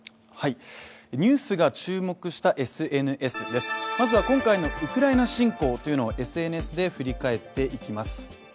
ニュースが注目したＳＮＳですまずは今回のウクライナ侵攻をＳＮＳで振り返っていきます。